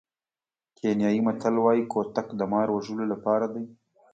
کینیايي متل وایي کوتک د مار وژلو لپاره دی.